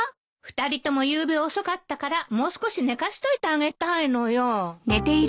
２人ともゆうべ遅かったからもう少し寝かしといてあげたいのよ。